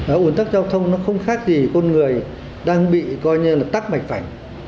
ở uống tắc giao thông nó không khác gì con người đang bị coi như là tắc mạch vảnh